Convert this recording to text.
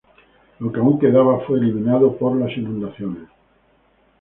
Lo que aún quedaba fue eliminado por las inundaciones".